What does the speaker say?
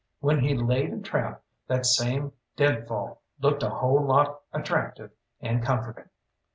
When he laid a trap that same deadfall looked a whole lot attractive and comforting.